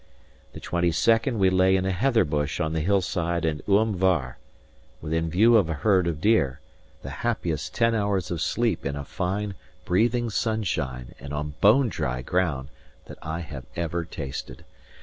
The twenty second we lay in a heather bush on the hillside in Uam Var, within view of a herd of deer, the happiest ten hours of sleep in a fine, breathing sunshine and on bone dry ground, that I have ever tasted.